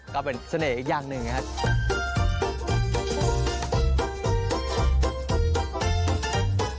ก็เป็นเสน่ห์อีกอย่างหนึ่งนะครับ